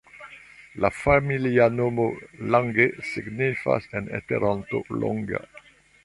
La familia nomo Lange signifas en en Esperanto ’’’longa’’’.